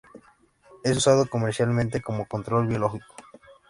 Es usado comercialmente como control biológico.